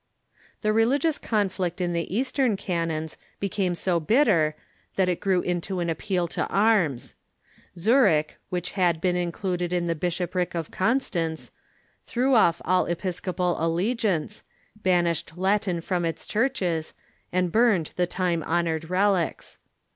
The religious conflict in the eastern cantons became so bit ter that it grew into an appeal to arms. Zurich, which had been included in the bishopric of Constance, threw Eastern ^ jj episcopal alleo; iance, banished Latin from its Cantons i i »' churches, and burned the tmie honored relics.